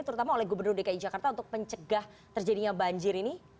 terutama oleh gubernur dki jakarta untuk mencegah terjadinya banjir ini